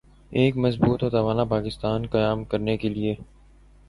ایک مضبوط و توانا پاکستان قائم کرنے کے لئیے ۔